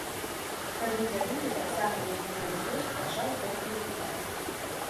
Тады дзядуля, таксама некаму на злосць, пачаў троху выпіваць.